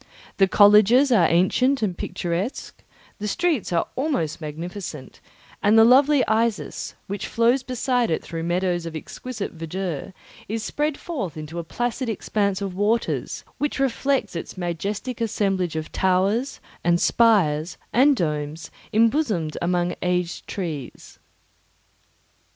The colleges are ancient and picturesque; the streets are almost magnificent; and the lovely Isis, which flows beside it through meadows of exquisite verdure, is spread forth into a placid expanse of waters, which reflects its majestic assemblage of towers, and spires, and domes, embosomed among aged trees.